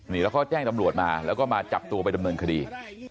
นี่แล้วก็แจ้งตำรวจมาแล้วก็มาจับตัวไปดำเนินคดี